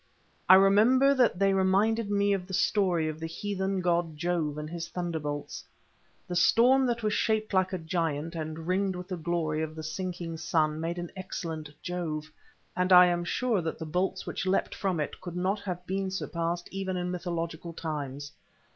I remember that they reminded me of the story of the heathen god Jove and his thunderbolts. The storm that was shaped like a giant and ringed with the glory of the sinking sun made an excellent Jove, and I am sure that the bolts which leapt from it could not have been surpassed even in mythological times.